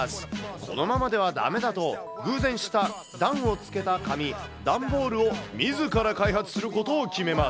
このままではだめだと、偶然知った段をつけた紙、段ボールをみずから開発することを決めます。